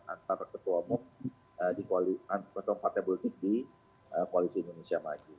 antara ketua umum di kuali atau partai politik di koalisi indonesia maju